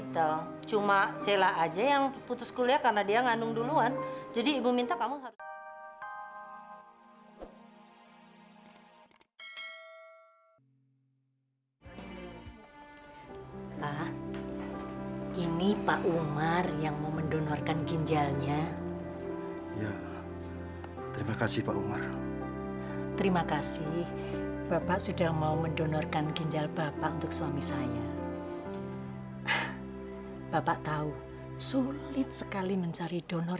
terima kasih pak umar